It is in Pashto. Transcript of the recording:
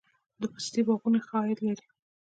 د پستې باغونه ښه عاید لري؟